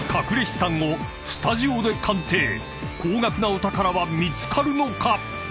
［高額なお宝は見つかるのか？］